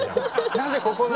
なぜここなの。